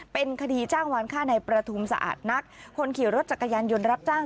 เป็นคดีจ้างวานฆ่าในประทุมสะอาดนักคนขี่รถจักรยานยนต์รับจ้าง